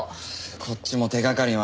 こっちも手掛かりは。